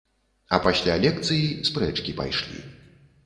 А пасля лекцыі спрэчкі пайшлі.